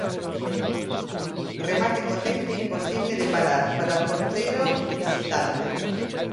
Remate potente e imposible de parar para o porteiro visitante.